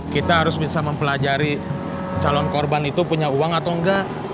kita harus bisa mempelajari calon korban itu punya uang atau enggak